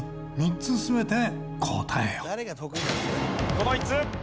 この３つ。